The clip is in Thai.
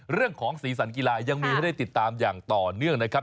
สีสันกีฬายังมีให้ได้ติดตามอย่างต่อเนื่องนะครับ